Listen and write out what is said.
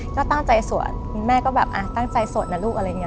ก็ตั้งใจสวดคุณแม่ก็แบบตั้งใจสวดนะลูกอะไรอย่างนี้